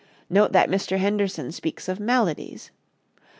Note that Mr. Henderson speaks of melodies.